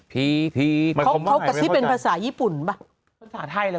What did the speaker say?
ผีเขากระเชียบเป็นภาษาญี่ปุ่นหรือเปล่า